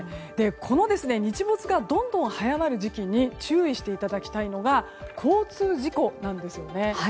この日没がどんどん早まる時期に注意していただきたいのは交通事故なんですね。